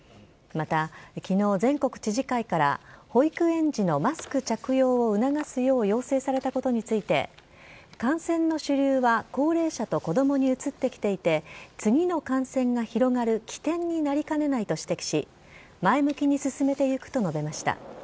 また、昨日全国知事会から保育園児のマスク着用を促すよう要請されたことについて感染の主流は高齢者と子供に移ってきていて次の感染が広がる起点になりかねないと指摘し前向きに進めていくと述べました。